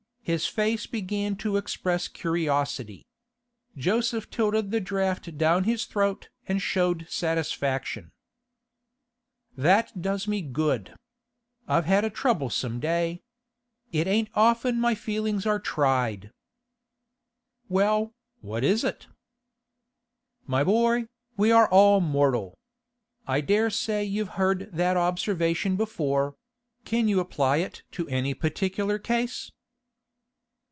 His face began to express curiosity. Joseph tilted the draught down his throat and showed satisfaction. 'That does me good. I've had a troublesome day. It ain't often my feelings are tried.' 'Well, what is it?' 'My boy, we are all mortal. I dare say you've heard that observation before; can you apply it to any particular case?